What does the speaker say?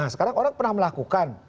sekarang orang pernah melakukan